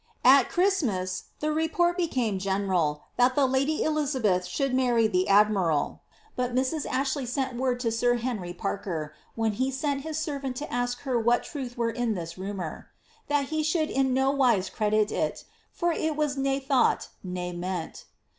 At Christmas the report became general that the lady Elizabeth should marry with the admiral, but Mrs. Ashley sent word to sir Henry Parker, when he sent his servant to ask her what truth were in this ru mour, *^ that he should in no wise credit it, for it was ne thought ne meant."